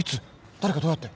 誰がどうやって？